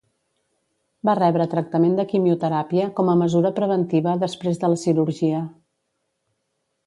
Va rebre tractament de quimioteràpia com a mesura preventiva després de la cirurgia.